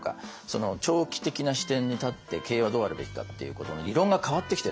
その長期的な視点に立って経営はどうあるべきかっていうことの議論が変わってきてるんですね。